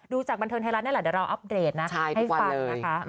จากบันเทิงไทยรัฐนี่แหละเดี๋ยวเราอัปเดตนะให้ฟังนะคะ